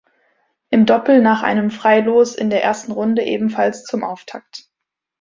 Im Doppel nach einem Freilos in der ersten Runde ebenfalls zum Auftakt.